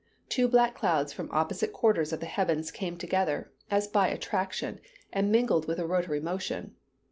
Two black clouds from opposite quarters of the heavens came together, as by attraction, and mingled with a rotary motion.